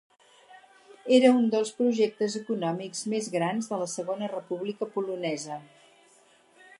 Era un dels projectes econòmics més grans de la Segona República Polonesa.